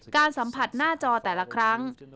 การสัมผัสหน้าจอแต่ละครั้ง